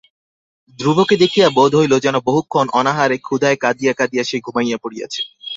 ধ্রুবকে দেখিয়া বোধ হইল যেন বহুক্ষণ অনাহারে ক্ষুধায় কাঁদিয়া কাঁদিয়া সে ঘুমাইয়া পড়িয়াছে।